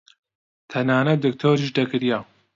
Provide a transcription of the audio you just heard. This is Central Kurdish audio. تەنانەت دکتۆریش دەگریا.